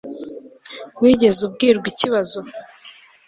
wigeze ubwirwa ikibazo